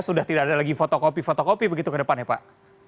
sudah tidak ada lagi fotokopi fotokopi begitu ke depan ya pak